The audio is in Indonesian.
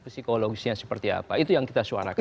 psikologisnya seperti apa itu yang kita suarakan